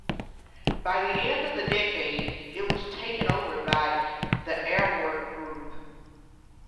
By the end of the decade, it was taken over by the Airwork group.